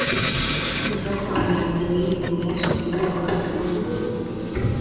gufata imyanzuro ni ububasha bw’ inteko rusange